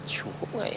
cukup gak ya